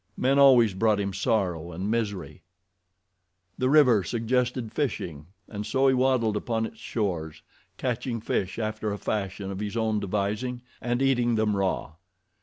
Men always brought him sorrow and misery. The river suggested fishing and so he dawdled upon its shores, catching fish after a fashion of his own devising and eating them raw.